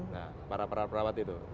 nah para perawat perawat itu